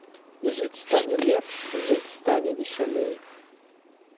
І жыць стане лепш, жыць стане весялей.